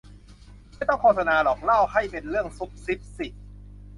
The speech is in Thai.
ไม่ต้องโฆษณาหรอก เล่าให้เป็นเรื่องซุบซิบสิ